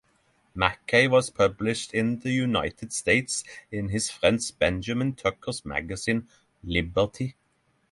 Mackay was published in the United States in his friend Benjamin Tucker's magazine, "Liberty".